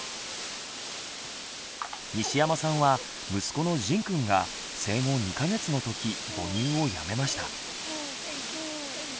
西山さんは息子のじんくんが生後２か月のとき母乳をやめました。